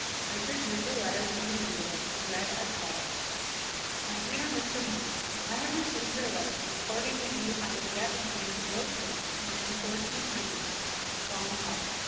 Richard drew the letter from the envelope, and read as follows: "MY DEAR MR. HUNTER: I have received your letter, reporting that you have as yet obtained no trace of my unfortunate grandson, John Talbot.